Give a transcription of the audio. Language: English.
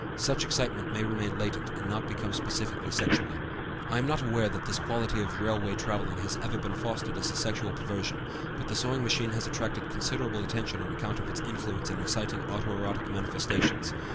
Such excitement may remain latent and not become specifically sexual. I am not aware that this quality of railway traveling has ever been fostered as a sexual perversion, but the sewing machine has attracted considerable attention on account of its influence in exciting auto erotic manifestations.